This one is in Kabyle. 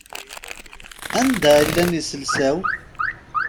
Anda i llan yiselsa-w?